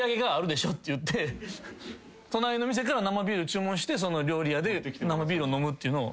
隣の店から生ビール注文してその料理屋で生ビールを飲むっていうのを。